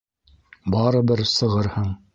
Барыбер сығырһың!